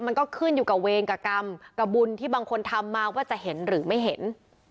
มันก็ขึ้นอยู่กับเวรกับกรรมกับบุญที่บางคนทำมาว่าจะเห็นหรือไม่เห็น